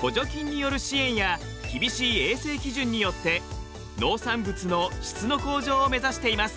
補助金による支援や厳しい衛生基準によって農産物の質の向上を目指しています。